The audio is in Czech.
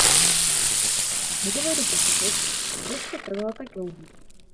Nedovedu pochopit, proč to trvalo tak dlouho.